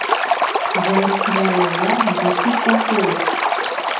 Я адчувала ўвагу з усіх бакоў!